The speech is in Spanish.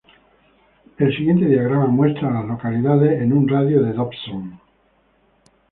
El siguiente diagrama muestra a las localidades en un radio de de Dobson.